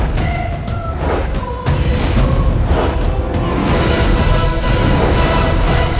mereka adalah nelson